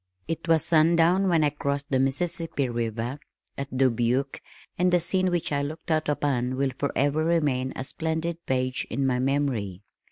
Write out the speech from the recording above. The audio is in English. It was sundown when I crossed the Mississippi river (at Dubuque) and the scene which I looked out upon will forever remain a splendid page in my memory.